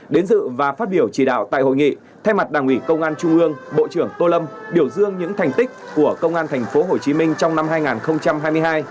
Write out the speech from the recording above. đến dự và phát biểu chỉ đạo tại hội nghị thay mặt đảng ủy công an trung ương bộ trưởng tô lâm biểu dương những thành tích của công an tp hcm trong năm hai nghìn hai mươi hai